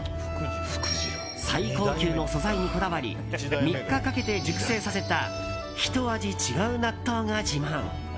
最高級の素材にこだわり３日かけて熟成させたひと味違う納豆が自慢。